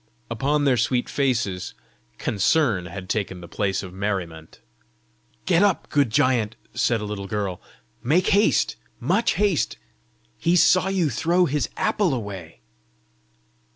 Upon their sweet faces, concern had taken the place of merriment. "Get up, good giant!" said a little girl. "Make haste! much haste! He saw you throw his apple away!"